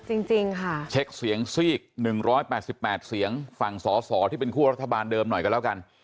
จริงค่ะเช็คเสียงซีก๑๘๘เสียงฝั่งสอสอที่เป็นคั่วรัฐบาลเดิมหน่อยกันแล้วกัน